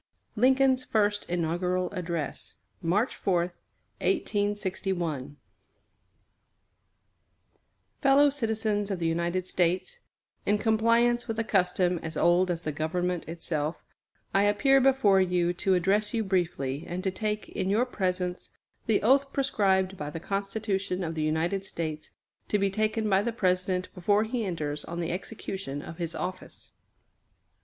LINCOLN'S FIRST INAUGURAL ADDRESS MARCH 4, 1861 FELLOW CITIZENS OF THE UNITED STATES: In compliance with a custom as old as the government itself, I appear before you to address you briefly, and to take, in your presence, the oath prescribed by the Constitution of the United States to be taken by the President before he enters on the execution of his office.